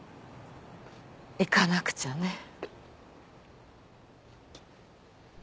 行かなくちゃね。